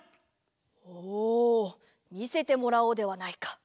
おみせてもらおうではないか。